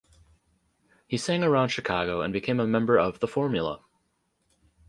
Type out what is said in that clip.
He sang around Chicago and became a member of The Formula.